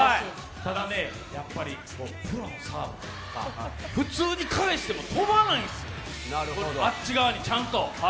ただね、やっぱりプロのサーブ、普通に返しても飛ばないんですよ、あっち側にちゃんと。